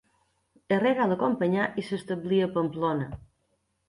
Herrera l'acompanyà i s'establí a Pamplona.